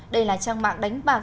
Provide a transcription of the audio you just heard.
đây là trang mạng đánh bạc